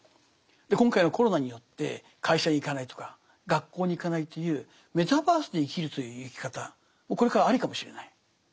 今回のコロナによって会社に行かないとか学校に行かないというメタバースで生きるという生き方もこれからありかもしれない。